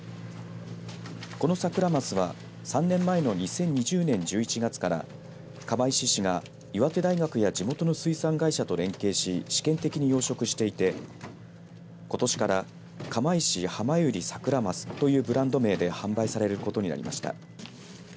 このサクラマスは３年前の２０２０年１１月から釜石市が岩手大学や地元の水産会社と連携し試験的に養殖していてことしから釜石はまゆりサクラマスというブランド名で販売されることになりました。